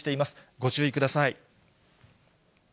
ご注意ください。